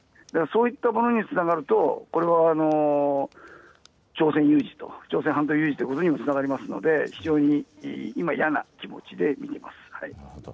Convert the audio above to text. そういったものにつながると朝鮮有事と、朝鮮半島有事にということにつながりますので今、非常に嫌な形で見ています。